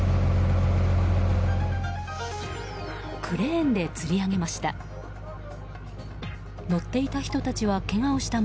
クレーンでつり上げました。